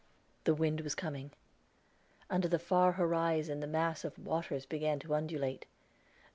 The wind was coming; under the far horizon the mass of waters begun to undulate.